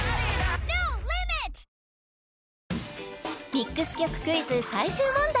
ミックス曲クイズ最終問題